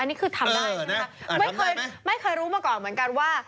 อันนี้คือทำได้นะครับไม่เคยรู้มาก่อนเหมือนกันว่า